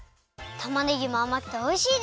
たまねぎもあまくておいしいです。